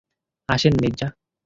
আসেন, মির্জা।